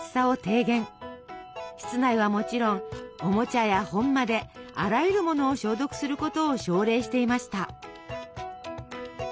室内はもちろんおもちゃや本まであらゆるものを消毒することを奨励していました。